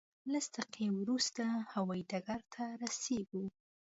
لس دقیقې وروسته هوایي ډګر ته رسېږو.